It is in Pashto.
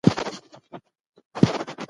پوښتنې ولیکه.